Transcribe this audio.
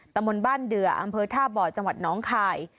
ตำบลบ้านเดืออำเภอท่าบ่อจังหวัดน้องคาย